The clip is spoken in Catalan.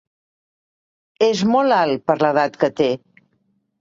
És molt alt per l'edat que té.